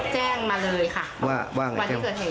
แจ้งมาเลยค่ะว่าวันที่เกิดเหตุ